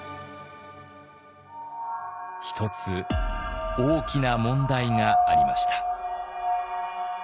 一つ大きな問題がありました。